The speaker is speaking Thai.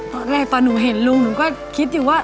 ตอนแรกตอนหนูเห็นลุงหนูก็คิดอยู่ว่า